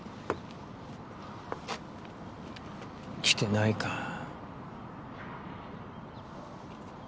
来てないか。